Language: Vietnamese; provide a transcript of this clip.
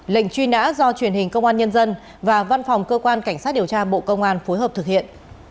lệnh truy nã do truyền hình công an nhân dân và văn phòng cơ quan cảnh sát điều tra bộ công an phối hợp thực hiện